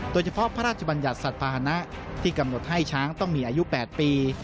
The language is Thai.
พระราชบัญญัติสัตว์ภาษณะที่กำหนดให้ช้างต้องมีอายุ๘ปี